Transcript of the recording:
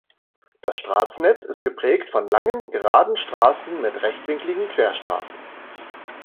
Das Straßennetz ist geprägt von langen, geraden Straßen mit rechtwinkeligen Querstraßen.